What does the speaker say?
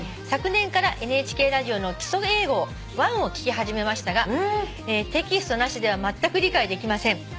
「昨年からＮＨＫラジオの『基礎英語１』を聞き始めましたがテキストなしではまったく理解できません」